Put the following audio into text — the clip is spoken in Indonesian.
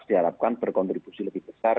diharapkan berkontribusi lebih besar